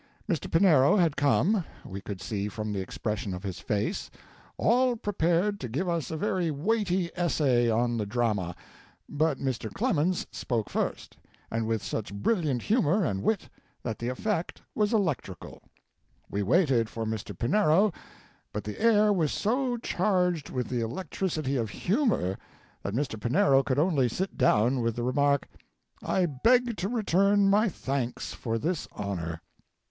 Mr. Pinero had come, we could see from the expression of his face, all prepared to give us a very weighty essay on the drama, but Mr. Clemens spoke first, and with such brilliant humor and wit that the effect was electrical. We waited for Mr. Pinero, but the air was so charged with the electricity of humor that Mr. Pinero could only sit down with the remark, 'I beg to return my thanks for this honor.'